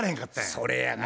それやがな。